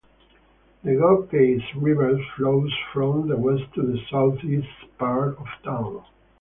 The Gokase River flows from the west to the southeast part of town.